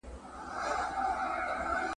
ایا د انارګل مور به کله د لښتې په درد پوه شي؟